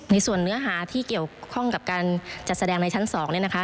เนื้อหาที่เกี่ยวข้องกับการจัดแสดงในชั้น๒เนี่ยนะคะ